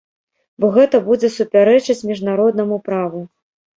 Бо гэта будзе супярэчыць міжнароднаму праву.